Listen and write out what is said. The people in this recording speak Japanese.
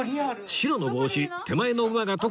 白の帽子手前の馬が徳さん